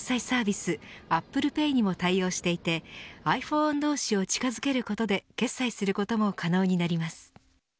サービスアップルペイにも対応していてｉＰｈｏｎｅ同士を近付けることで決済することも可能になります。